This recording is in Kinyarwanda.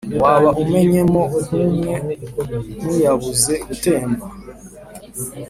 Waba umenyemo nk’umwe Ntuyabuze gutemba;